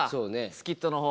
スキットの方。